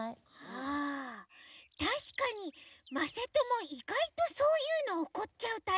ああたしかにまさともいがいとそういうのおこっちゃうタイプなのかも。